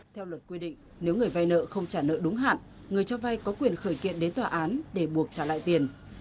theo luật quy định nếu người vay nợ không trả nợ đúng hạn người cho vay có quyền khởi kiện đến tòa án để buộc trả lại tiền